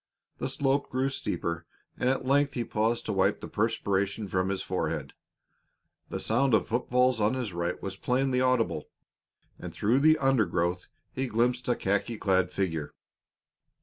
The slope grew steeper, and at length he paused to wipe the perspiration from his forehead. The sound of foot falls on his right was plainly audible, and through the undergrowth he glimpsed a khaki clad figure.